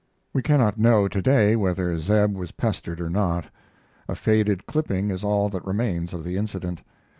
We cannot know to day whether Zeb was pestered or not. A faded clipping is all that remains of the incident.